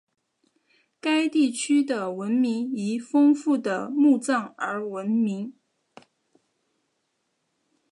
该地区的文明以丰富的墓葬而闻名。